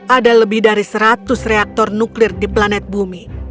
ada lebih dari seratus reaktor nuklir di planet bumi